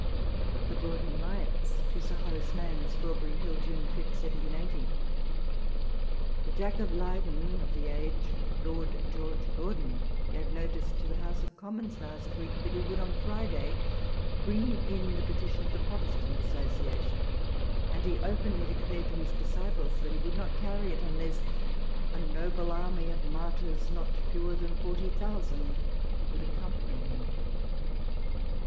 THE GORDOy PIOTS. To Sir Horace Mann. Strawbrrr;/ Hill, June 5. 1780. ... The Jack of Leyden of the age, Lord George Gordon, gave notice to the House of Commons last week, that he would, on Friday, bring in the petition of the Protestant Associa tion ; and he openly declared to his disciples, that he would not carry it unless a noble army of inarfijrs, not fewer fhan forty thousand, would ac company him.